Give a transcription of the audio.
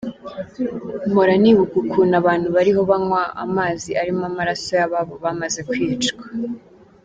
Mpora nibuka ukuntu abantu bariho banywa amazi arimo amaraso y’ababo bamaze kwicwa.